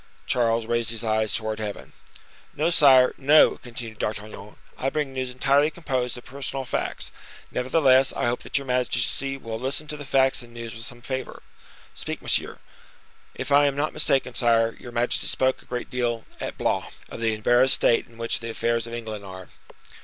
Charles raised his eyes towards heaven. "No, sire, no," continued D'Artagnan. "I bring news entirely composed of personal facts. Nevertheless, I hope that your majesty will listen to the facts and news with some favor." "Speak, monsieur." "If I am not mistaken, sire, your majesty spoke a great deal at Blois, of the embarrassed state in which the affairs of England are."